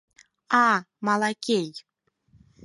А, Малакей!